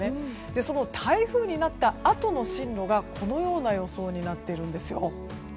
その台風になったあとの進路がこのような予想になっています。